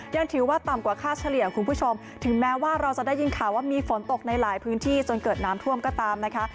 ยังถือว่าต่ำกว่าค่าเฉลี่ยคุณผู้ชมถึงแม้ว่าเราจะได้ยินข่าวว่ามีฝนตกในหลายพื้นที่จนเกิดน้ำท่วมก็ตามนะคะ